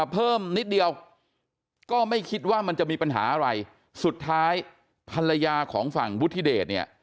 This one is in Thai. เพิ่มนิดเดียวก็ไม่คิดว่ามันจะมีปัญหาอะไรสุดท้ายภรรยาของฝั่งวุฒิเดชเนี่ย